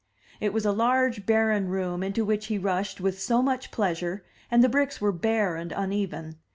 It was a large barren room into which he rushed with so much pleasure, and the bricks were bare and uneven.